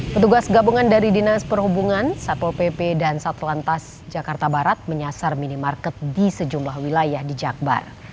petugas gabungan dari dinas perhubungan satpol pp dan satlantas jakarta barat menyasar minimarket di sejumlah wilayah di jakbar